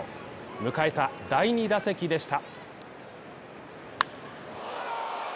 迎えた第２打席でした。